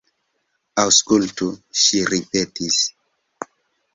Aŭskultu, ŝi ripetis.